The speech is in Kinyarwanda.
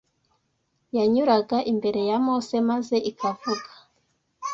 yanyuraga imbere ya Mose maze ikavuga